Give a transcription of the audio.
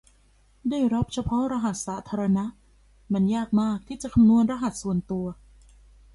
ได้รับเฉพาะรหัสสาธารณะมันยากมากที่จะคำนวณรหัสส่วนตัว